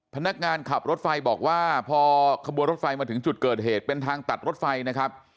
พนักงานขับรถไฟบอกว่าพอขบวนรถไฟมาถึงจุดเกิดเหตุเป็นทางตัดรถไฟนะครับ